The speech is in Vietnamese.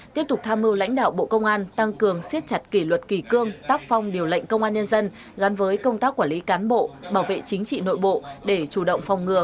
tiếp tục tham mưu lãnh đạo bộ công an tăng cường siết chặt kỷ luật kỳ cương tác phong điều lệnh công an nhân dân gắn với công tác quản lý cán bộ bảo vệ chính trị nội bộ để chủ động phòng ngừa